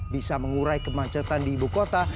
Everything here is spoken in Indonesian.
bisa mengurai kemacetan di ibu kota